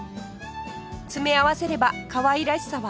詰め合わせればかわいらしさは倍増